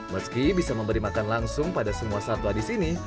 meski bisa memberi makan langsung pada semua satwa di sini